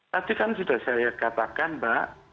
tadi kan sudah saya katakan mbak